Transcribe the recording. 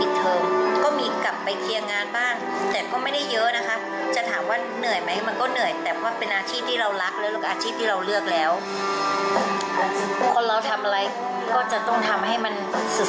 อีกเทอมก็มีกลับไปเคียงงานบ้างแต่ก็ไม่ได้เยอะนะคะจะถามว่าเหนื่อยไหมมันก็เหนื่อยแต่ว่าเป็นอาชีพที่เรารักเลยอาชีพที่เราเลือกแล้วคนเราทำอะไรก็จะต้องทำให้มันสุดสุด